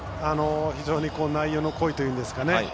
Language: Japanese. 非常に内容の濃いというんですかね